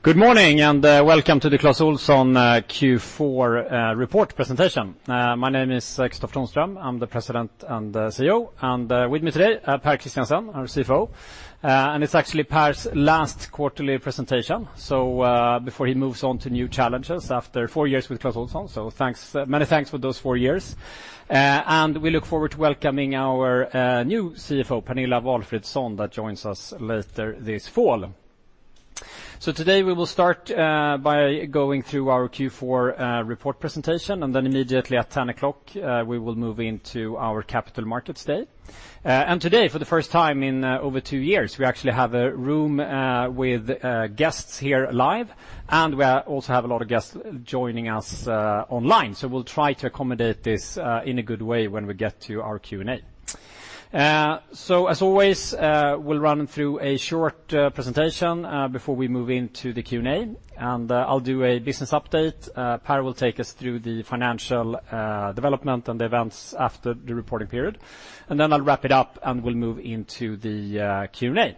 Good morning, welcome to the Clas Ohlson Q4 report presentation. My name is Kristofer Tonström. I'm the President and CEO. With me today Pär Christiansen, our CFO. It's actually Per's last quarterly presentation, so before he moves on to new challenges after four years with Clas Ohlson. Thanks, many thanks for those four years. We look forward to welcoming our new CFO, Pernilla Walfridsson, that joins us later this fall. Today we will start by going through our Q4 report presentation, and then immediately at 10 o'clock we will move into our capital markets day. Today, for the first time in over two years, we actually have a room with guests here live, and we also have a lot of guests joining us online. We'll try to accommodate this in a good way when we get to our Q&A. As always, we'll run through a short presentation before we move into the Q&A. I'll do a business update. Pär will take us through the financial development and the events after the reporting period. Then I'll wrap it up, and we'll move into the Q&A.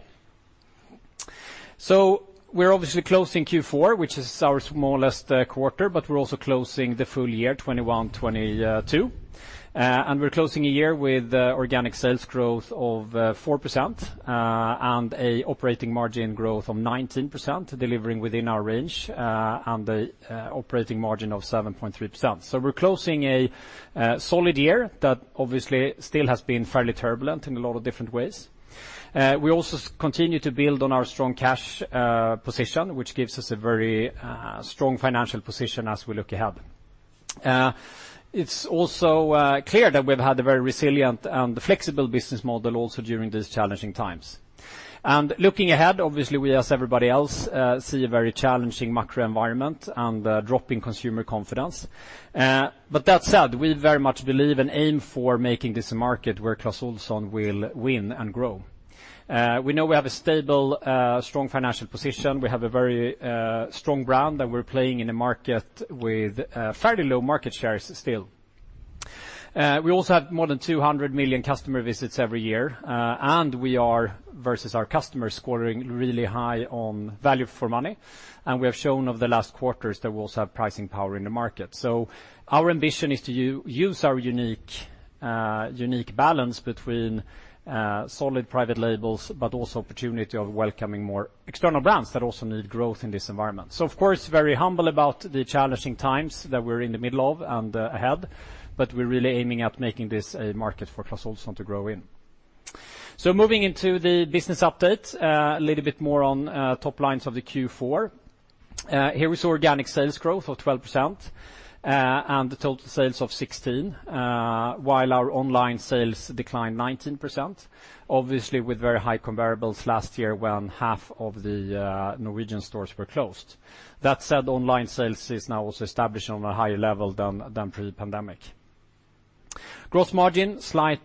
We're obviously closing Q4, which is our smallest quarter, but we're also closing the full year 2021-2022. We're closing a year with organic sales growth of 4%, and a operating margin growth of 19%, delivering within our range, and a operating margin of 7.3%. We're closing a solid year that obviously still has been fairly turbulent in a lot of different ways. We also continue to build on our strong cash position, which gives us a very strong financial position as we look ahead. It's also clear that we've had a very resilient and flexible business model also during these challenging times. Looking ahead, obviously we, as everybody else, see a very challenging macro environment and a drop in consumer confidence. That said, we very much believe and aim for making this a market where Clas Ohlson will win and grow. We know we have a stable, strong financial position. We have a very, strong brand, and we're playing in a market with, fairly low market shares still. We also have more than 200 million customer visits every year, and we are, versus our customers, scoring really high on value for money. We have shown over the last quarters that we also have pricing power in the market. Our ambition is to use our unique balance between, solid private labels, but also opportunity of welcoming more external brands that also need growth in this environment. Of course, very humble about the challenging times that we're in the middle of and, ahead, but we're really aiming at making this a market for Clas Ohlson to grow in. Moving into the business update, a little bit more on top lines of the Q4. Here we saw organic sales growth of 12%, and the total sales of 16%, while our online sales declined 19%, obviously with very high comparables last year when half of the Norwegian stores were closed. That said, online sales is now also established on a higher level than pre-pandemic. Gross margin slight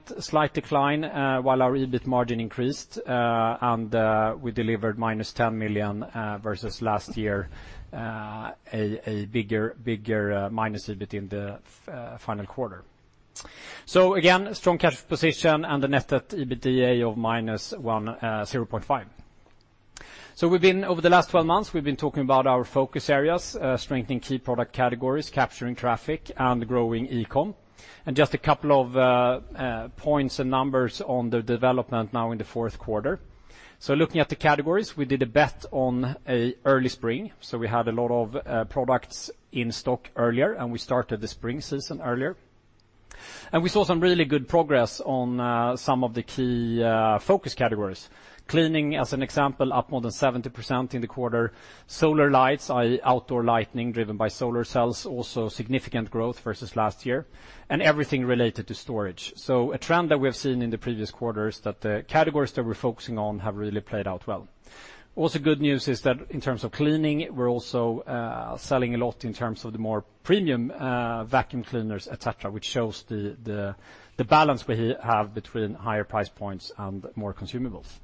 decline, while our EBIT margin increased, and we delivered -10 million versus last year, a bigger minus EBIT in the final quarter. Again, strong cash position and a net debt to EBITDA of -0.5. We've been, over the last 12 months, we've been talking about our focus areas, strengthening key product categories, capturing traffic, and growing e-com. Just a couple of points and numbers on the development now in the fourth quarter. Looking at the categories, we did a bet on an early spring, so we had a lot of products in stock earlier, and we started the spring season earlier. We saw some really good progress on some of the key focus categories. Cleaning, as an example, up more than 70% in the quarter. Solar lights, i.e., outdoor lighting driven by solar cells, also significant growth versus last year. Everything related to storage. A trend that we have seen in the previous quarters, that the categories that we're focusing on have really played out well. Also good news is that in terms of cleaning, we're also selling a lot in terms of the more premium vacuum cleaners, et cetera, which shows the balance we have between higher price points and more consumables.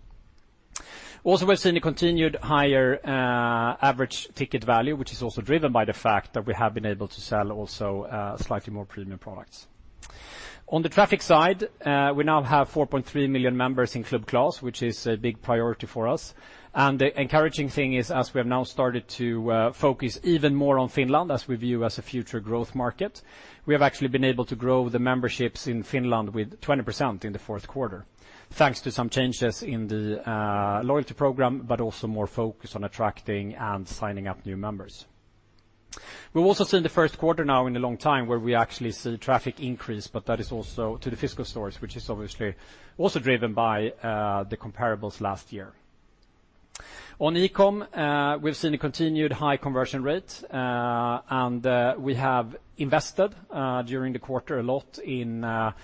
Also, we've seen a continued higher average ticket value, which is also driven by the fact that we have been able to sell also slightly more premium products. On the traffic side, we now have 4.3 million members in Club Clas, which is a big priority for us. The encouraging thing is, as we have now started to focus even more on Finland as we view as a future growth market, we have actually been able to grow the memberships in Finland with 20% in the fourth quarter, thanks to some changes in the loyalty program, but also more focus on attracting and signing up new members. We've also seen the first quarter now in a long time where we actually see traffic increase, but that is also to the physical stores, which is obviously also driven by the comparables last year. On e-com, we've seen a continued high conversion rate and we have invested during the quarter a lot in marketing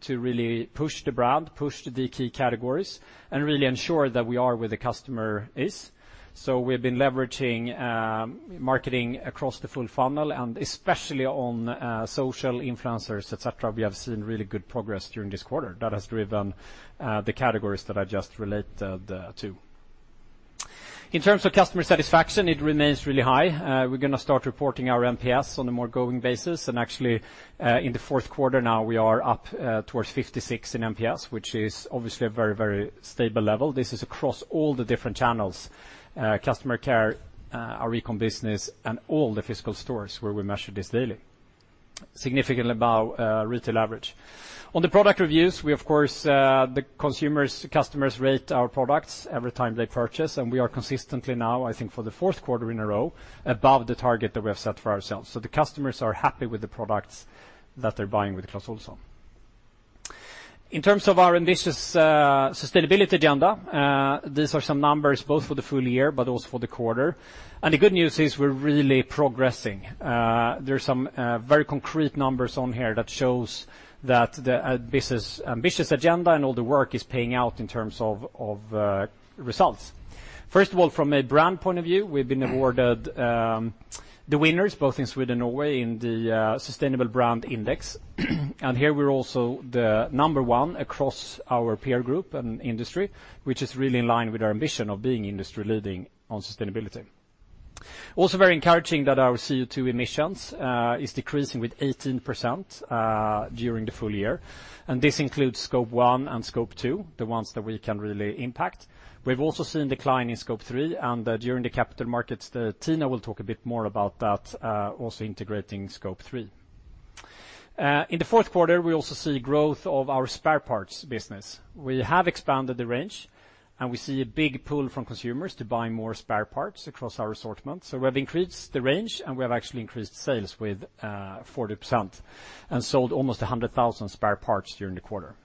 to really push the brand, push the key categories and really ensure that we are where the customer is. We've been leveraging marketing across the full funnel and especially on social influencers, et cetera. We have seen really good progress during this quarter. That has driven the categories that I just related to. In terms of customer satisfaction, it remains really high. We're gonna start reporting our NPS on a more ongoing basis. Actually, in the fourth quarter now we are up towards 56 in NPS, which is obviously a very, very stable level. This is across all the different channels, customer care, our e-com business, and all the physical stores where we measure this daily. Significantly above retail average. On the product reviews, we of course, the consumers, customers rate our products every time they purchase, and we are consistently now, I think for the fourth quarter in a row, above the target that we have set for ourselves. The customers are happy with the products that they're buying with Clas Ohlson. In terms of our ambitious sustainability agenda, these are some numbers both for the full year but also for the quarter. The good news is we're really progressing. There are some very concrete numbers on here that shows that the business ambitious agenda and all the work is paying out in terms of results. First of all, from a brand point of view, we've been awarded the winners both in Sweden and Norway in the Sustainable Brand Index. Here we're also the number one across our peer group and industry, which is really in line with our ambition of being industry leading on sustainability. Also very encouraging that our CO2 emissions is decreasing with 18% during the full year, and this includes Scope 1 and Scope 2, the ones that we can really impact. We've also seen decline in Scope 3, and during the Capital Markets Day, Tina will talk a bit more about that, also integrating Scope 3. In the fourth quarter, we also see growth of our spare parts business. We have expanded the range, and we see a big pull from consumers to buy more spare parts across our assortment. We have increased the range, and we have actually increased sales with 40% and sold almost 100,000 spare parts during the quarter.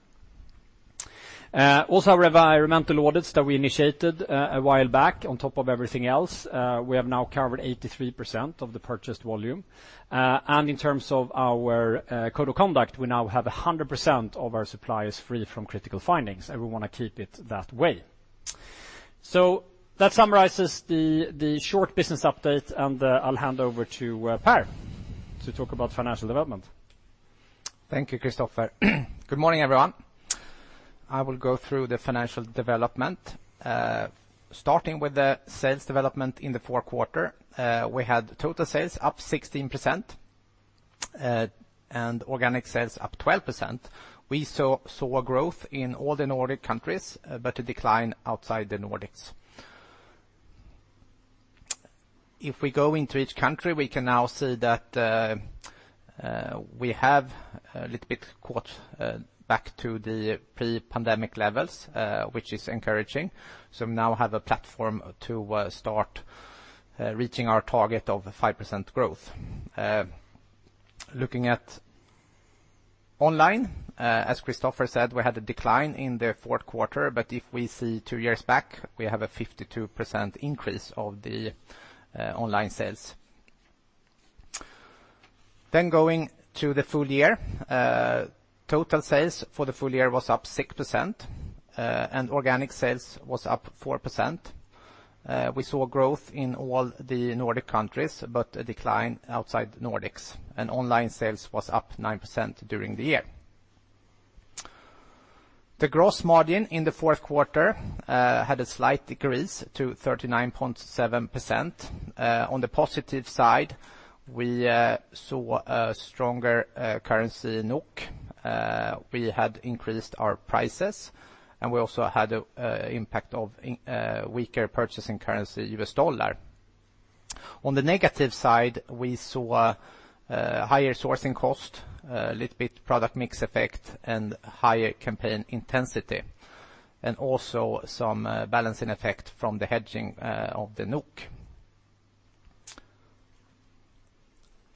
Also our environmental audits that we initiated a while back on top of everything else, we have now covered 83% of the purchased volume. In terms of our code of conduct, we now have 100% of our suppliers free from critical findings, and we wanna keep it that way. That summarizes the short business update, and I'll hand over to Pär to talk about financial development. Thank you, Kristofer. Good morning, everyone. I will go through the financial development. Starting with the sales development in the fourth quarter, we had total sales up 16%, and organic sales up 12%. We saw growth in all the Nordic countries, but a decline outside the Nordics. If we go into each country, we can now see that we have a little bit caught up to the pre-pandemic levels, which is encouraging. We now have a platform to start reaching our target of 5% growth. Looking at online, as Kristofer said, we had a decline in the fourth quarter, but if we see two years back, we have a 52% increase of the online sales. Going to the full year, total sales for the full year was up 6%, and organic sales was up 4%. We saw growth in all the Nordic countries, but a decline outside Nordics. Online sales was up 9% during the year. The gross margin in the fourth quarter had a slight decrease to 39.7%. On the positive side, we saw a stronger currency NOK. We had increased our prices, and we also had impact of weaker purchasing currency US dollar. On the negative side, we saw higher sourcing cost, a little bit product mix effect and higher campaign intensity, and also some balancing effect from the hedging of the NOK.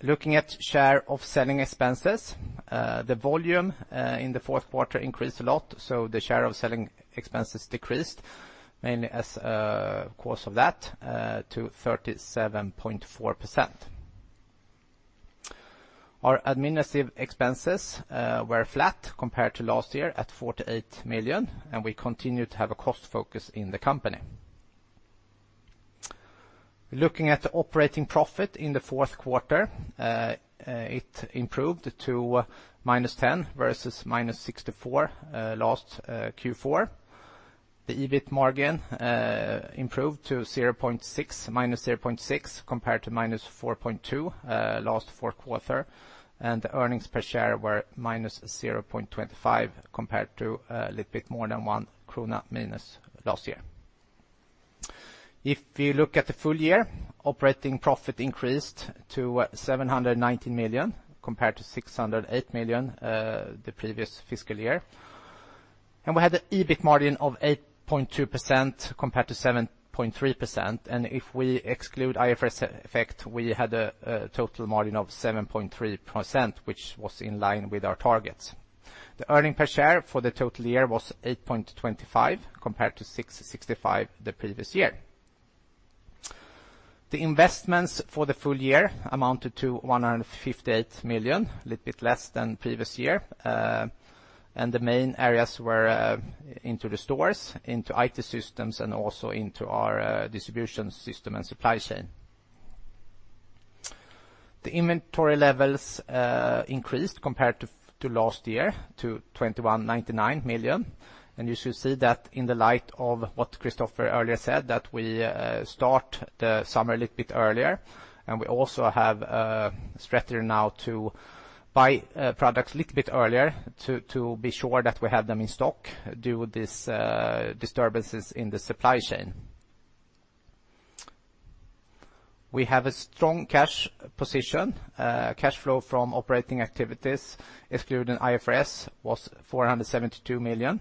Looking at share of selling expenses, the volume in the fourth quarter increased a lot, so the share of selling expenses decreased mainly because of that to 37.4%. Our administrative expenses were flat compared to last year at 48 million, and we continue to have a cost focus in the company. Looking at the operating profit in the fourth quarter, it improved to -10 million versus -64 million last Q4. The EBIT margin improved to -0.6% compared to -4.2% last fourth quarter, and the earnings per share were -0.25 SEK compared to a little bit more than -1 krona last year. If you look at the full year, operating profit increased to 719 million compared to 608 million the previous fiscal year. We had the EBIT margin of 8.2% compared to 7.3%. If we exclude IFRS effect, we had a total margin of 7.3%, which was in line with our targets. The earnings per share for the total year was 8.25 compared to 6.65 the previous year. The investments for the full year amounted to 158 million, a little bit less than previous year, and the main areas were into the stores, into IT systems, and also into our distribution system and supply chain. The inventory levels increased compared to last year to 2,199 million, and you should see that in the light of what Kristofer earlier said that we start the summer a little bit earlier, and we also have a strategy now to buy products a little bit earlier to be sure that we have them in stock due to these disturbances in the supply chain. We have a strong cash position. Cash flow from operating activities excluding IFRS was 472 million.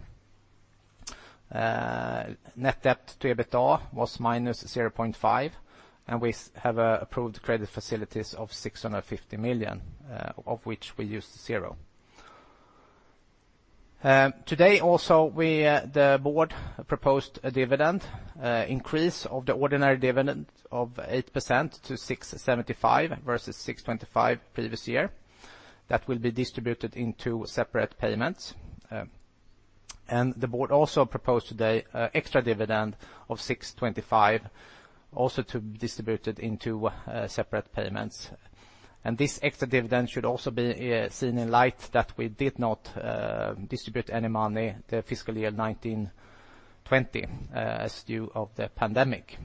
Net debt to EBITDA was -0.5, and we have approved credit facilities of 650 million, of which we used 0. Today the board proposed a dividend increase of the ordinary dividend of 8% to 675 versus 625 previous year. That will be distributed in two separate payments. The board also proposed today extra dividend of 625 also to be distributed in two separate payments. This extra dividend should also be seen in that light that we did not distribute any money the fiscal year 2019-2020, as due to the pandemic.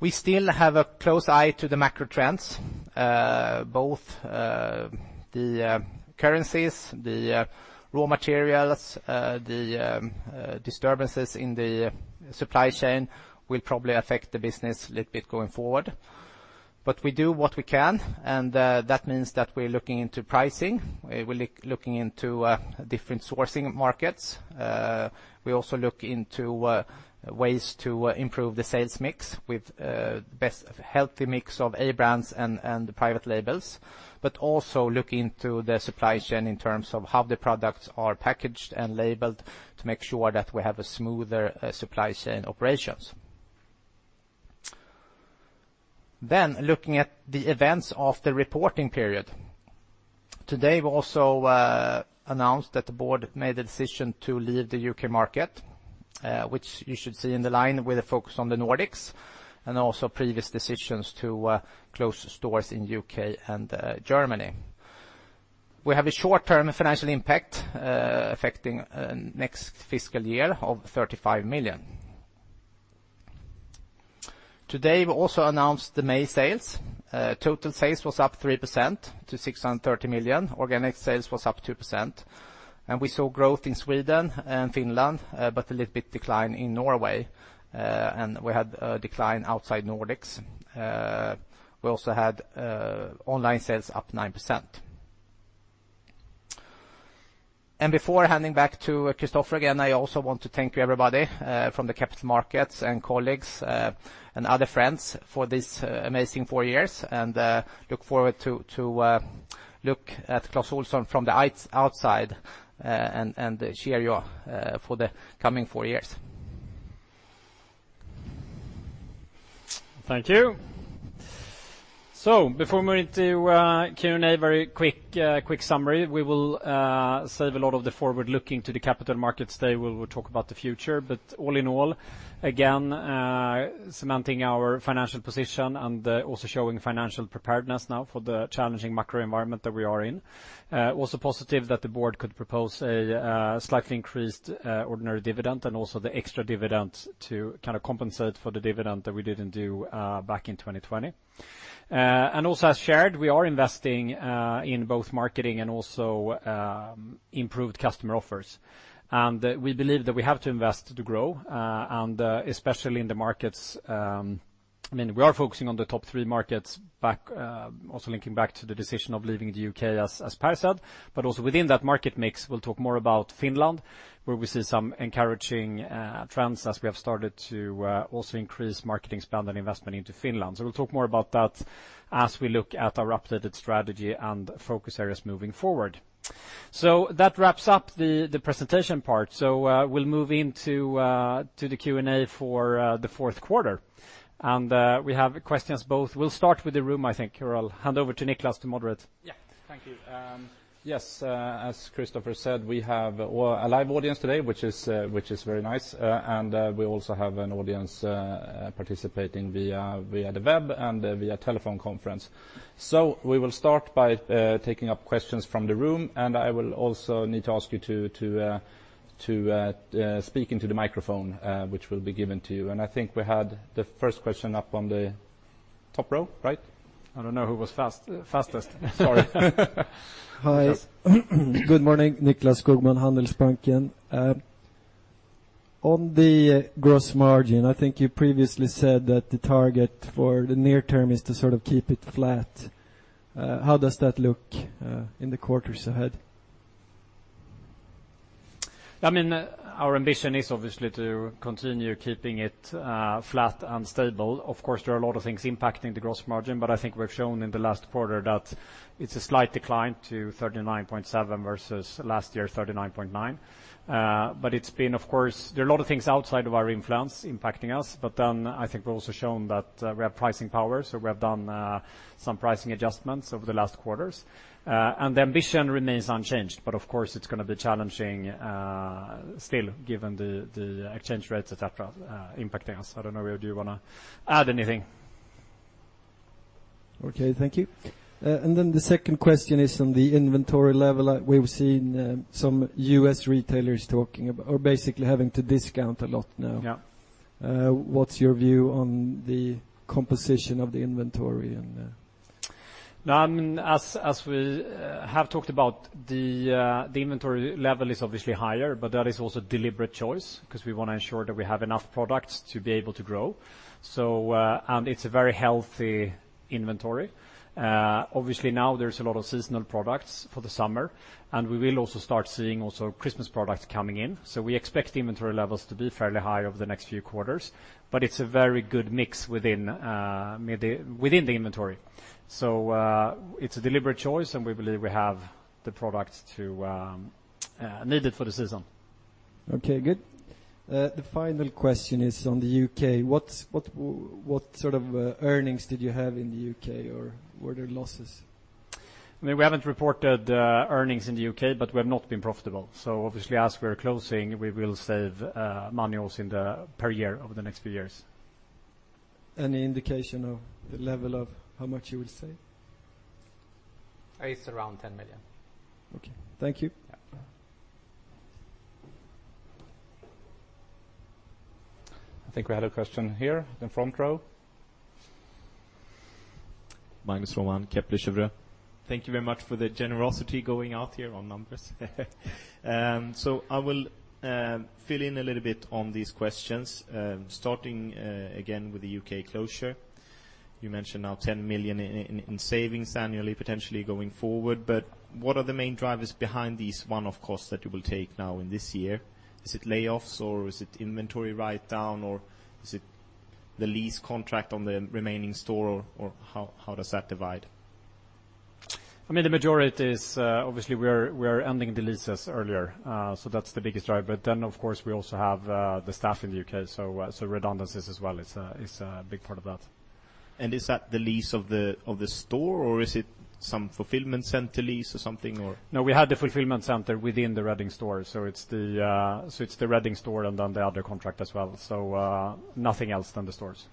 We still have a close eye on the macro trends. Both the currencies, the raw materials, the disturbances in the supply chain will probably affect the business a little bit going forward. We do what we can, and that means that we're looking into pricing. We're looking into different sourcing markets. We also look into ways to improve the sales mix with best healthy mix of A-brands and private labels, but also look into the supply chain in terms of how the products are packaged and labeled to make sure that we have a smoother supply chain operations. Looking at the events of the reporting period. Today, we also announced that the board made the decision to leave the U.K. market, which you should see in line with a focus on the Nordics and also previous decisions to close stores in U.K. and Germany. We have a short-term financial impact affecting next fiscal year of 35 million. Today, we also announced the May sales. Total sales was up 3% to 630 million. Organic sales was up 2%. We saw growth in Sweden and Finland, but a little bit decline in Norway. We had a decline outside Nordics. We also had online sales up 9%. Before handing back to Kristofer again, I also want to thank you everybody from the capital markets and colleagues and other friends for this amazing four years, and look forward to look at Clas Ohlson from the outside, and cheer you on for the coming four years. Thank you. Before moving to Q&A, very quick summary. We will save a lot of the forward-looking to the capital markets today. We will talk about the future. All in all, again, cementing our financial position and also showing financial preparedness now for the challenging macro environment that we are in. Also positive that the board could propose a slightly increased ordinary dividend and also the extra dividend to kind of compensate for the dividend that we didn't do back in 2020. Also as shared, we are investing in both marketing and also improved customer offers. We believe that we have to invest to grow and especially in the markets. I mean, we are focusing on the top three markets back, also linking back to the decision of leaving the U.K., as Pär said. Also within that market mix, we'll talk more about Finland, where we see some encouraging trends as we have started to also increase marketing spend and investment into Finland. We'll talk more about that as we look at our updated strategy and focus areas moving forward. That wraps up the presentation part. We'll move into the Q&A for the fourth quarter. We have questions both. We'll start with the room, I think, or I'll hand over to Niklas to moderate. Yeah. Thank you. Yes, as Kristofer said, we have a live audience today, which is very nice. We also have an audience participating via the web and via telephone conference. We will start by taking up questions from the room, and I will also need to ask you to speak into the microphone, which will be given to you. I think we had the first question up on the top row, right? I don't know who was fastest. Sorry. Hi. Good morning. Nicklas Skogman, Handelsbanken. On the gross margin, I think you previously said that the target for the near term is to sort of keep it flat. How does that look in the quarters ahead? I mean, our ambition is obviously to continue keeping it flat and stable. Of course, there are a lot of things impacting the gross margin, but I think we've shown in the last quarter that it's a slight decline to 39.7% versus last year's 39.9%. But it's been, of course. There are a lot of things outside of our influence impacting us, but then I think we've also shown that we have pricing power, so we have done some pricing adjustments over the last quarters. And the ambition remains unchanged, but of course, it's gonna be challenging still given the exchange rates, et cetera, impacting us. I don't know, do you wanna add anything? Okay, thank you. The second question is on the inventory level. We've seen some US retailers talking about or basically having to discount a lot now. Yeah. What's your view on the composition of the inventory? No, I mean, as we have talked about, the inventory level is obviously higher, but that is also deliberate choice because we wanna ensure that we have enough products to be able to grow. It's a very healthy inventory. Obviously now there's a lot of seasonal products for the summer, and we will start seeing Christmas products coming in. We expect inventory levels to be fairly high over the next few quarters, but it's a very good mix within the inventory. It's a deliberate choice, and we believe we have the products needed for the season. Okay, good. The final question is on the U.K. What sort of earnings did you have in the U.K., or were there losses? I mean, we haven't reported earnings in the U.K., but we have not been profitable. Obviously, as we're closing, we will save money also in the per year over the next few years. Any indication of the level of how much you will save? It's around 10 million. Okay. Thank you. Yeah. I think we had a question here in the front row. Magnus Råman, Kepler Cheuvreux. Thank you very much for the guidance going out here on numbers. I will fill in a little bit on these questions, starting again with the U.K. closure. You mentioned now 10 million in savings annually potentially going forward, but what are the main drivers behind these one-off costs that you will take now in this year? Is it layoffs, or is it inventory write-down, or is it the lease contract on the remaining store, or how does that divide? I mean, the majority is, obviously we are ending the leases earlier, so that's the biggest driver. Of course we also have the staff in the U.K., so redundancies as well is a big part of that. Is that the lease of the store, or is it some fulfillment center lease or something, or? No, we had the fulfillment center within the Reading store, so it's the Reading store and then the other contract as well. Nothing else than the stores.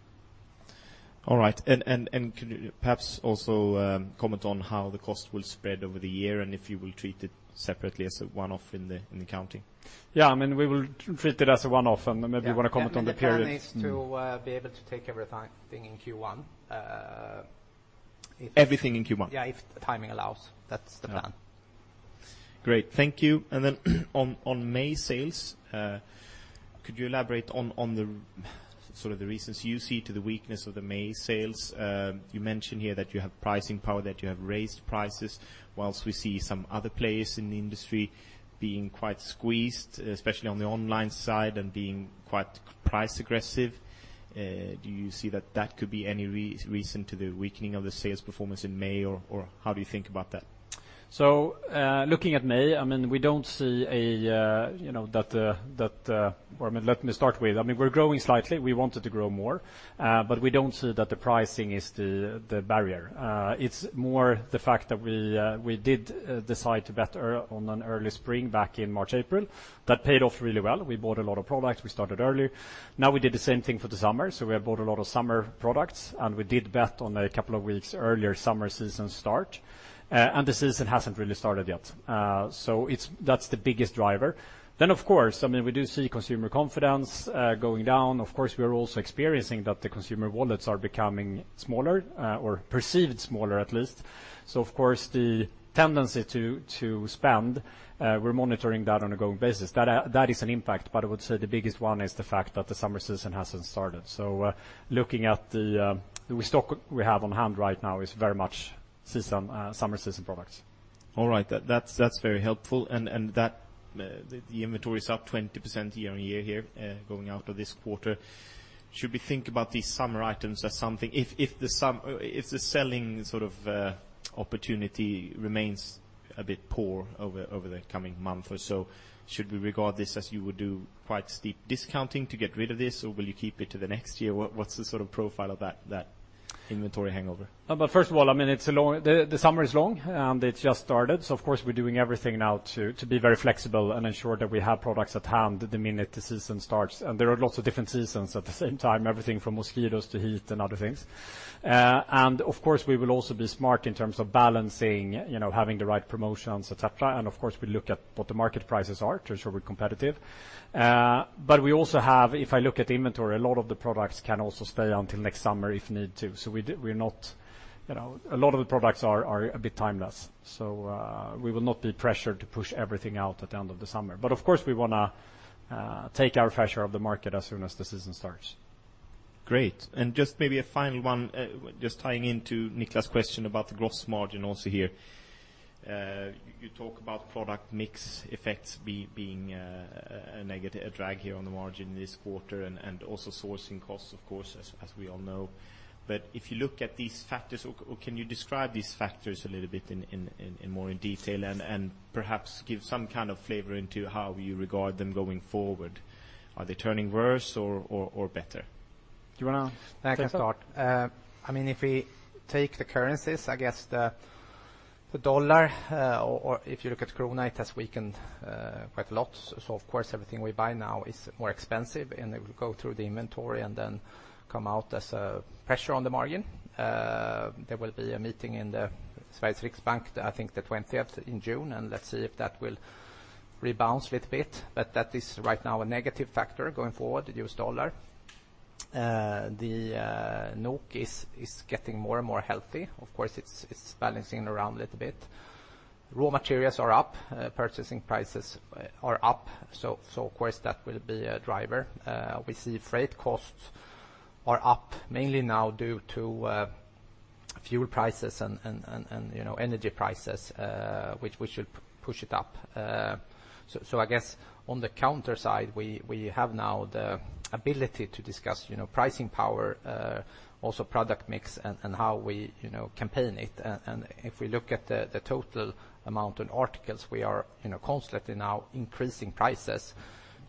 All right. Could you perhaps also comment on how the cost will spread over the year and if you will treat it separately as a one-off in the accounting? Yeah, I mean, we will treat it as a one-off, and maybe you wanna comment on the period. Yeah. I mean, the plan is to be able to take everything in Q1. Everything in Q1? Yeah, if the timing allows. That's the plan. Great. Thank you. On May sales, could you elaborate on the sort of reasons you see to the weakness of the May sales? You mentioned here that you have pricing power, that you have raised prices, while we see some other players in the industry being quite squeezed, especially on the online side and being quite price aggressive. Do you see that could be any reason to the weakening of the sales performance in May, or how do you think about that? Looking at May, I mean, we're growing slightly. We wanted to grow more, but we don't see that the pricing is the barrier. It's more the fact that we did decide to bet on an early spring back in March, April. That paid off really well. We bought a lot of products. We started early. Now we did the same thing for the summer, so we have bought a lot of summer products, and we did bet on a couple of weeks earlier summer season start, and the season hasn't really started yet. That's the biggest driver. Of course, I mean, we do see consumer confidence going down. Of course, we are also experiencing that the consumer wallets are becoming smaller, or perceived smaller at least. Of course, the tendency to spend, we're monitoring that on an ongoing basis. That is an impact, but I would say the biggest one is the fact that the summer season hasn't started. Looking at the stock we have on hand right now is very much seasonal summer seasonal products. All right. That's very helpful. That the inventory is up 20% year-on-year here, going out of this quarter. Should we think about these summer items as something? If the selling sort of opportunity remains a bit poor over the coming month or so, should we regard this as you would do quite steep discounting to get rid of this, or will you keep it to the next year? What's the sort of profile of that inventory hangover? First of all, I mean, it's a long. The summer is long, and it just started. Of course, we're doing everything now to be very flexible and ensure that we have products at hand the minute the season starts. There are lots of different seasons at the same time, everything from mosquitoes to heat and other things. Of course, we will also be smart in terms of balancing, you know, having the right promotions, et cetera. Of course, we look at what the market prices are to ensure we're competitive. We also have, if I look at inventory, a lot of the products can also stay until next summer if need to. We're not, you know. A lot of the products are a bit timeless. We will not be pressured to push everything out at the end of the summer. Of course, we wanna take our fair share of the market as soon as the season starts. Great. Just maybe a final one, just tying into Niklas' question about the gross margin also here. You talk about product mix effects being a negative, a drag here on the margin this quarter and also sourcing costs, of course, as we all know. If you look at these factors, can you describe these factors a little bit in more detail and perhaps give some kind of flavor into how you regard them going forward? Are they turning worse or better? Do you wanna? I can start. I mean, if we take the currencies, I guess. The dollar, if you look at krona, it has weakened quite a lot. Everything we buy now is more expensive, and it will go through the inventory and then come out as a pressure on the margin. There will be a meeting in the Sveriges Riksbank, I think the twentieth in June, and let's see if that will rebalance little bit. That is right now a negative factor going forward, US dollar. The NOK is getting more and more healthy. Of course, it's balancing around a little bit. Raw materials are up, purchasing prices are up, so of course, that will be a driver. We see freight costs are up, mainly now due to fuel prices and, you know, energy prices, which should push it up. I guess on the cost side, we have now the ability to discuss, you know, pricing power, also product mix and how we, you know, campaign it. If we look at the total amount in articles, we are, you know, constantly now increasing prices to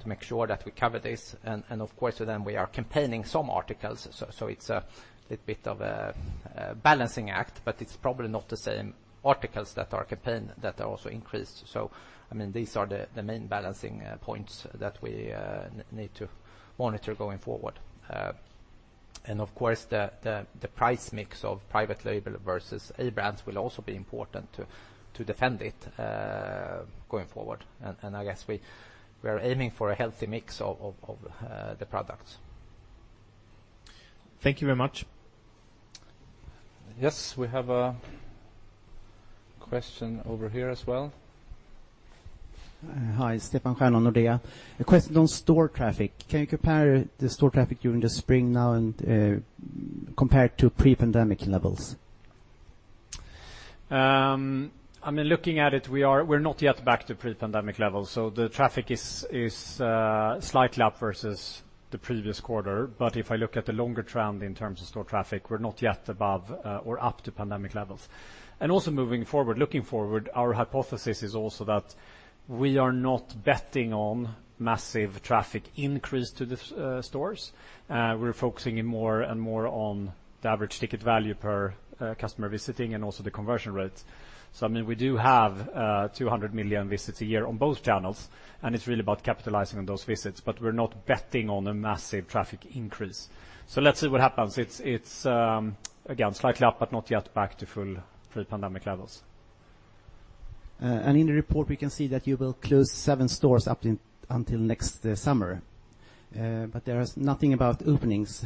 make sure that we cover this. Of course then we are campaigning some articles, so it's a little bit of a balancing act, but it's probably not the same articles that are on campaign that are also increased. I mean, these are the main balancing points that we need to monitor going forward. Of course, the price mix of private label versus A-brands will also be important to defend it going forward. I guess we're aiming for a healthy mix of the products. Thank you very much. Yes, we have a question over here as well. Hi. Stefan Stjernholm, Nordea. A question on store traffic. Can you compare the store traffic during the spring now and compared to pre-pandemic levels? I mean, looking at it, we're not yet back to pre-pandemic levels, so the traffic is slightly up versus the previous quarter. But if I look at the longer trend in terms of store traffic, we're not yet above or up to pandemic levels. Also moving forward, looking forward, our hypothesis is also that we are not betting on massive traffic increase to the stores. We're focusing in more and more on the average ticket value per customer visiting and also the conversion rates. I mean, we do have 200 million visits a year on both channels, and it's really about capitalizing on those visits. But we're not betting on a massive traffic increase. Let's see what happens. It's again slightly up, but not yet back to full pre-pandemic levels. In the report, we can see that you will close seven stores up until next summer. But there is nothing about openings.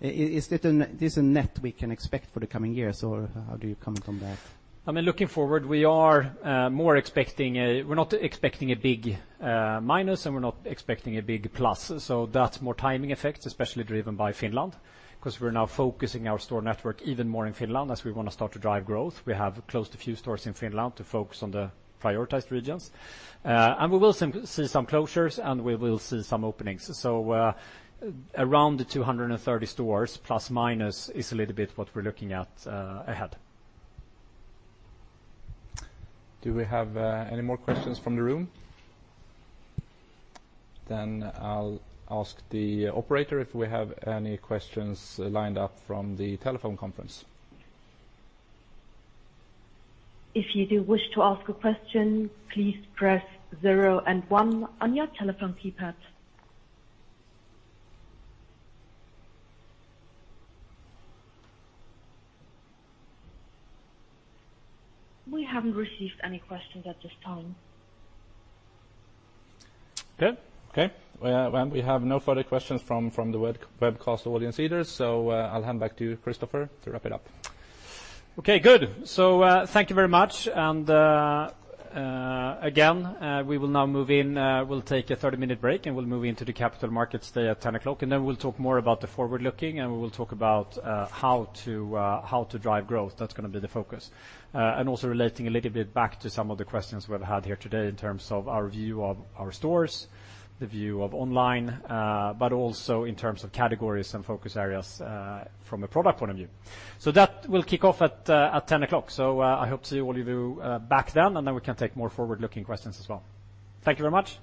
Is it a net we can expect for the coming years, or how do you comment on that? I mean, looking forward, we're not expecting a big minus, and we're not expecting a big plus. That's more timing effects, especially driven by Finland, becausecause we're now focusing our store network even more in Finland as we wanna start to drive growth. We have closed a few stores in Finland to focus on the prioritized regions. We will see some closures, and we will see some openings. Around the 230 stores, plus, minus, is a little bit what we're looking at ahead. Do we have any more questions from the room? Then I'll ask the operator if we have any questions lined up from the telephone conference. If you do wish to ask a question, please press zero and one on your telephone keypad. We haven't received any questions at this time. Okay. Well, we have no further questions from the webcast audience either, so I'll hand back to you, Kristofer, to wrap it up. Okay, good. Thank you very much. Again, we will now move in, we'll take a 30-minute break, and we'll move into the capital markets day at 10:00 A.M., and then we'll talk more about the forward-looking, and we will talk about how to drive growth. That's gonna be the focus. Also relating a little bit back to some of the questions we've had here today in terms of our view of our stores, the view of online, but also in terms of categories and focus areas, from a product point of view. That will kick off at 10:00 A.M. I hope to see all of you back then, and then we can take more forward-looking questions as well. Thank you very much.